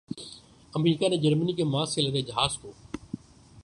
امریکا نے جرمنی کے ماسک سے لدے جہاز کو